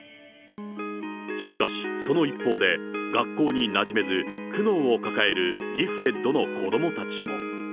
しかしその一方で学校になじめず、苦悩を抱えるギフテッドの子どもたちも。